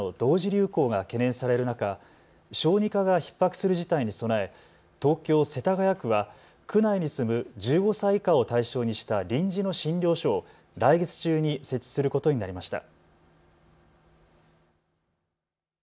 流行が懸念される中、小児科がひっ迫する事態に備え、東京世田谷区は区内に住む１５歳以下を対象にした臨時の診療所を来月中に設置することになりました。